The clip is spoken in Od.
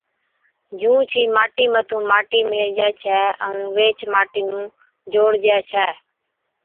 جھُونچ ئِي ماٽِي مٿُون ماٽِي ميلهجَي ڇَي ائُون ويهچ ماٽِي نُون جوڙجَي ڇَي